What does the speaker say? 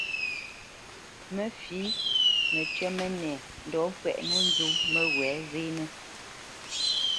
Mə fǐ məcyə́ mənɛ ndɔ́ ŋkwɛʼnə́ nzó məwɛ̌ zénə́.